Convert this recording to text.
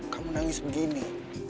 kamu nangis begini